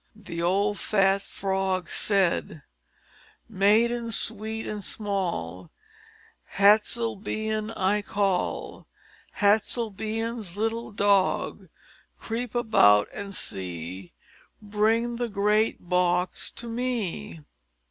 The old fat frog said "Maiden sweet and small, Hutzelbein I call; Hutzelbein's little dog, Creep about and see; Bring the great box to me."